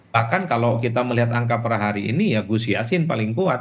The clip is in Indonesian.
bahkan kalau kita melihat angka per hari ini ya gus yassin paling kuat